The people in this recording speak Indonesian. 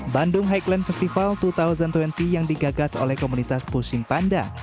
bandung highland festival dua ribu dua puluh yang digagas oleh komunitas pusing panda